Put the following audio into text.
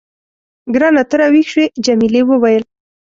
ګرانه، ته راویښ شوې؟ جميلې وويل:.